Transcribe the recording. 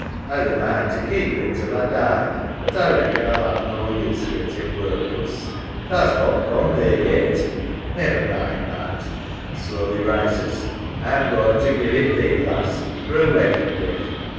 A'd a mind to keep it till A died, but A reckon A'll 'ave no use for it in workus. EMMA. Tha's not gone theer yet. SARAH. Never mind that. {Slowly rises) A'm going to give it thee, lass, for a weddin' gift.